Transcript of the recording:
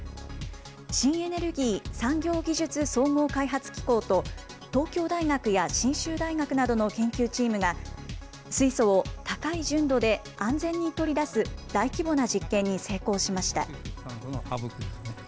新エネルギー・産業技術総合開発機構と東京大学や信州大学などの研究チームが、水素を高い純度で安全に取り出す大規模な実験に成功しました。